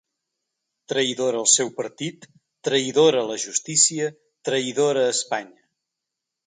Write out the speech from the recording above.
Traïdora al seu partit, traïdora a la justícia, traïdora a Espanya.